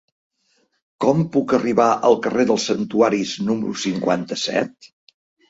Com puc arribar al carrer dels Santuaris número cinquanta-set?